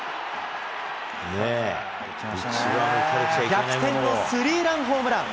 逆転のスリーランホームラン。